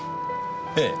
ええ。